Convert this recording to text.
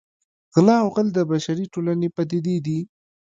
غلا او غل د بشري ټولنې پدیدې دي